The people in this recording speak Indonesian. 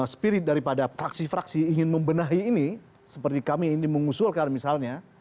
spirit daripada fraksi fraksi ingin membenahi ini seperti kami ini mengusulkan misalnya